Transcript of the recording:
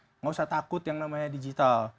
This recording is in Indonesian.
tidak usah takut yang namanya digital